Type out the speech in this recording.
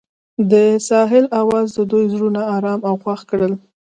د ساحل اواز د دوی زړونه ارامه او خوښ کړل.